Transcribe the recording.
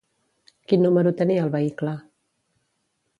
Quin número tenia el vehicle?